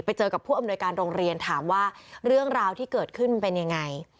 ไปเจอกับผู้อำนวยการโรงเรียนถามว่าเรื่องราวที่เกิดขึ้นมันเป็นยังไง